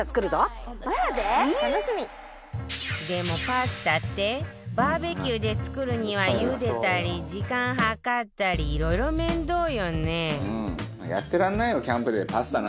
パスタってバーベキューで作るには茹でたり時間計ったりいろいろ面倒よね